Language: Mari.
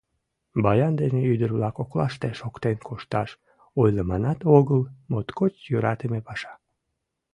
— Баян дене ӱдыр-влак коклаште шоктен кошташ, ойлыманат огыл, моткоч йӧратыме паша.